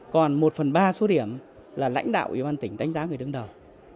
còn một phần ba số điểm là lãnh đạo ubnd tỉnh đánh giá người đứng đầu